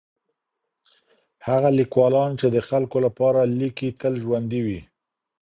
هغه ليکوالان چي د خلګو لپاره ليکي تل ژوندي وي.